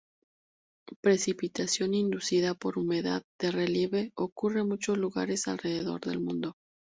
Precipitación inducida por humedad de relieve ocurre en muchos lugares alrededor del mundo.